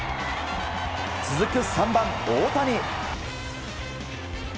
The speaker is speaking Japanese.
続く３番、大谷。